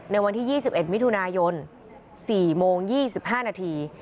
ในวันที่๒๑มิถุนายน๔โมง๒๕นาที